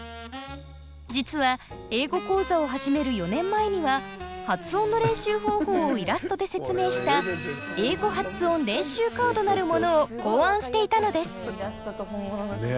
実は「英語講座」を始める４年前には発音の練習方法をイラストで説明した英語発音練習カードなるものを考案していたのです。